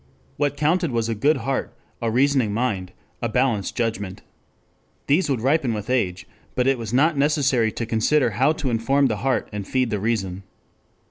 What counted was a good heart, a reasoning mind, a balanced judgment. These would ripen with age, but it was not necessary to consider how to inform the heart and feed the reason.